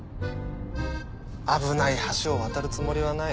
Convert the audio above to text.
危ない橋を渡るつもりはない。